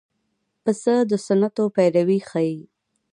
پسه د سنتو پیروي ښيي.